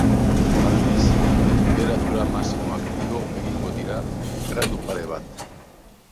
Aldiz, tenperatura maximoak igo egingo dira gradu pare bat.